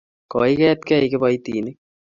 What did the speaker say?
koiketgei kiboitinik